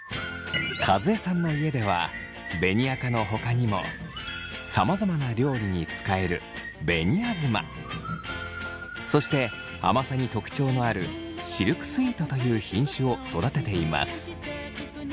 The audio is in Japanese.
和江さんの家では紅赤のほかにもさまざまな料理に使える紅あずまそして甘さに特徴のあるシルクスイートという品種を育てています。